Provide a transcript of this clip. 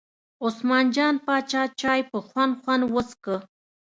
عثمان جان پاچا چای په خوند خوند وڅښه.